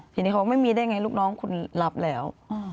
ทีนี้เขาบอกไม่มีได้ไงลูกน้องคุณรับแล้ว